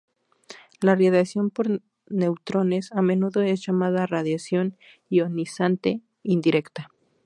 La radiación por neutrones a menudo es llamada radiación ionizante indirecta.